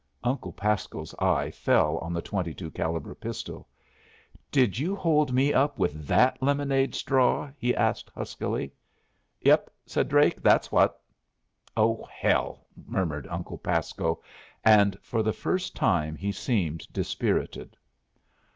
Uncle Pasco's eye fell on the 22 caliber pistol. "Did you hold me up with that lemonade straw?" he asked, huskily. "Yep," said Drake. "That's what." "Oh, hell!" murmured Uncle Pasco. And for the first time he seemed dispirited.